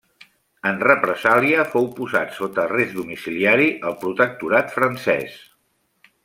En represàlia, fou posat sota arrest domiciliari al protectorat francès.